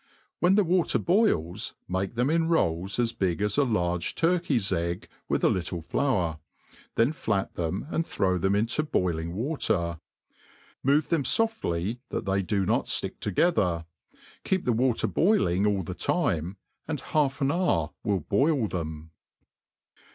When the water boils, make them in rolls as big as a large turkey's egg, with a little flour ; then flat them, and throw them into boiling water. Move them foftly, that they do not ftick together ; keep the water boiling all the time^ and half an hour will boil them.